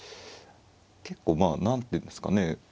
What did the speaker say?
結構まあなんていうんですかね。